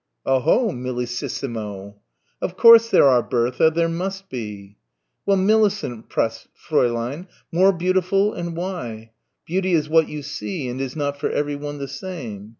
"Oh ho, Millississimo." "Of course there are, Bertha, there must be." "Well, Millicent," pressed Fräulein, "'more beautiful' and why? Beauty is what you see and is not for everyone the same.